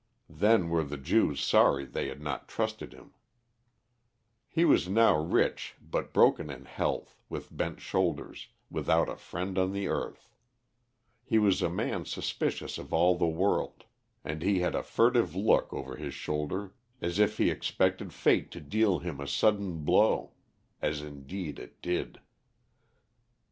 Then were the Jews sorry they had not trusted him. [Illustration: HIS FIRST ACT WAS TO DISCHARGE EVERY SERVANT] He was now rich but broken in health, with bent shoulders, without a friend on the earth. He was a man suspicious of all the world, and he had a furtive look over his shoulder as if he expected Fate to deal him a sudden blow as indeed it did.